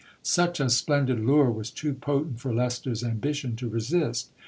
Such a splendid lure was too potent for Leicester's ambition to resist.